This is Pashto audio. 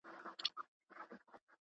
زلمي خپه دي څنګونه مړاوي `